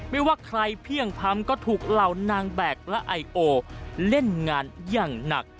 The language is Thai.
ไม่ว่าใครเพียงพำก็ถูกเหล่านางแบกและไอโอเล่นงานอย่างหนัก